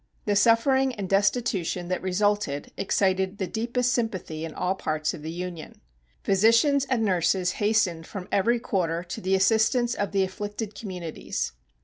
The suffering and destitution that resulted excited the deepest sympathy in all parts of the Union. Physicians and nurses hastened from every quarter to the assistance of the afflicted communities.